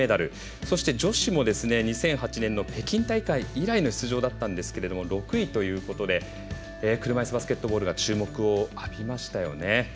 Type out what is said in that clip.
そして、女子も２００８年の北京大会以来の出場だったんですが６位ということで車いすバスケットボールが注目を浴びましたよね。